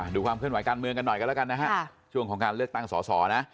ดูความเคลื่อนไหวการเมืองกันหน่อยกันแล้วกันนะฮะช่วงของการเลือกตั้งสอสอนะ